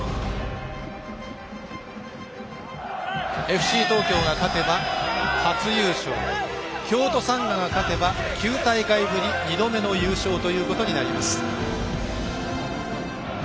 ＦＣ東京が勝てば初優勝京都サンガが勝てば９大会ぶり２度目の優勝ということになります。